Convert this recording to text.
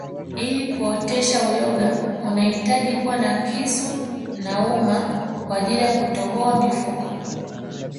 Ili kuotesha uyoga unahitaji kuwa na kisu na uma kwaajili ya kutoboa mifuko